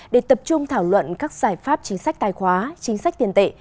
để tập trung thảo luận các giải pháp chính sách tài khoá chính sách tiền tệ